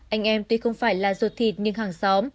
anh em tuy không phải là ruột thịt nhưng hàng xóm